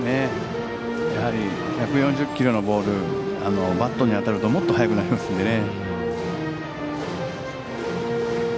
やはり１４０キロのボールがバットに当たるともっと速くなりますのでね。